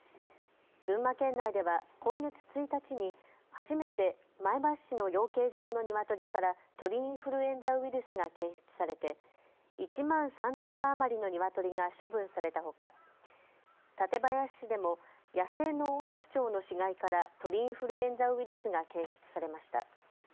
群馬県内では今月１日に初めて前橋市の養鶏場のニワトリから鳥インフルエンザウイルスが検出されて１万３０００羽余りのニワトリが処分されたほか館林市でも野生のオオハクチョウの死骸から鳥インフルエンザウイルスが検出されました。